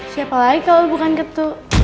siapa lagi kalau bukan ketuk